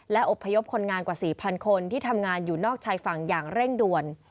อบพยพคนงานกว่า๔๐๐คนที่ทำงานอยู่นอกชายฝั่งอย่างเร่งด่วน